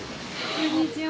こんにちは。